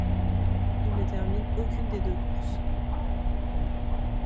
Il ne termine aucune des deux courses.